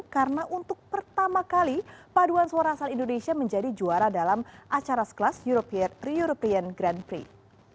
karena untuk pertama kali paduan suara asal indonesia menjadi juara dalam acara sekelas european grand prix